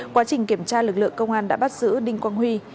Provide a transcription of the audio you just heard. quá trình kiểm tra lực lượng công an đã bắt giữ đinh quang huy